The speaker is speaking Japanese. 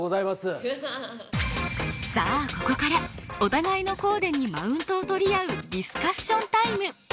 さあここからお互いのコーデにマウントを取り合うディスカッションタイム。